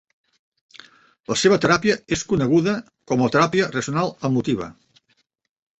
La seva teràpia és coneguda com la Teràpia racional emotiva.